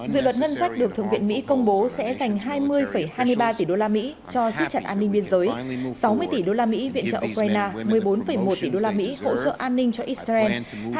dự luật ngân sách được thượng viện mỹ công bố sẽ dành hai mươi hai mươi ba tỷ đô la mỹ cho xích chặt an ninh biên giới sáu mươi tỷ đô la mỹ viện trợ ukraine một mươi bốn một tỷ đô la mỹ hỗ trợ an ninh cho israel